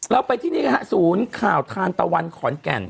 แล้วที่นี่ค่ะศูนย์ข่าวทานตะวันขอนแก่น